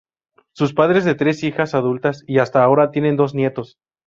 Son padres de tres hijas adultas y –hasta ahora- tienen dos nietos.